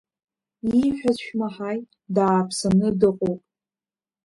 Ииҳәаз шәмаҳаи, дааԥсаны дыҟоуп!